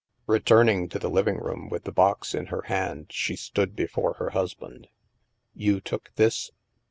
Returning to the living room with the box in her hand, she stood before her husband. "You took this?"